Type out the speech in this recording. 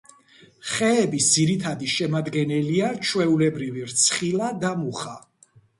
ხეების ძირითადი შემადგენელია ჩვეულებრივი რცხილა და მუხა.